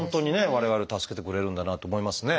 我々を助けてくれるんだなと思いますね。